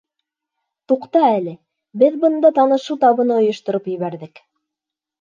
Туҡта әле, беҙ бында танышыу табыны ойоштороп ебәрҙек.